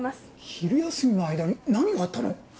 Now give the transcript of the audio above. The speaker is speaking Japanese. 昼休みの間に何があったの？